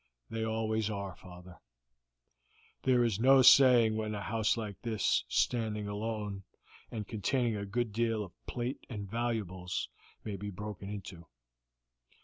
"They always are, father. There is no saying when a house like this, standing alone, and containing a good deal of plate and valuables, may be broken into."